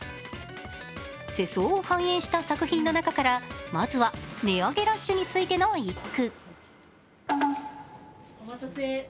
世相を反映した作品の中から、まずは値上げラッシュについての一句。